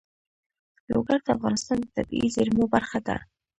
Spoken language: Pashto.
لوگر د افغانستان د طبیعي زیرمو برخه ده.